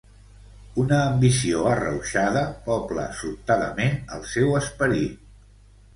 Una ambició arrauxada pobla sobtadament el seu esperit.